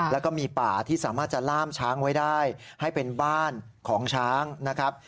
แล้วก็มีป่าที่สามารถจะล่ามช้างไว้ได้ให้เป็นบ้านของช้างนะครับ